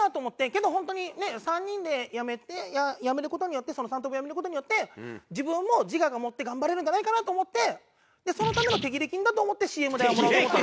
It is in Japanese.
けど本当にね３人でやめてやめる事によって三等分をやめる事によって自分も自我を持って頑張れるんじゃないかなと思ってそのための手切れ金だと思ってＣＭ代はもらおうと思った。